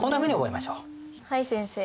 はい先生。